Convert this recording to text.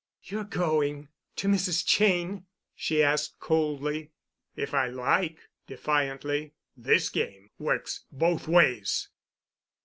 "You're going—to Mrs. Cheyne?" she asked coldly. "If I like," defiantly. "This game works both ways."